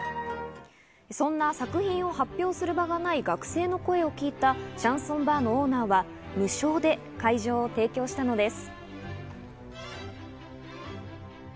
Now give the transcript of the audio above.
そんな作品を発表する場がない学生の声を聞いたシャンソンバーのオーナーは無償で会場を提供したのです。